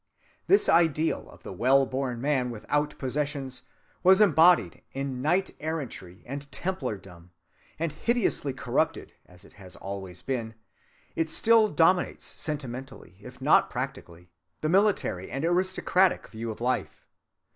This ideal of the well‐born man without possessions was embodied in knight‐errantry and templardom; and, hideously corrupted as it has always been, it still dominates sentimentally, if not practically, the military and aristocratic view of life.